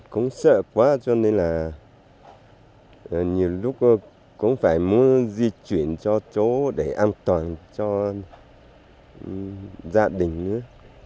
cũng sợ quá cho nên là nhiều lúc cũng phải muốn di chuyển cho chỗ để an toàn cho gia đình nữa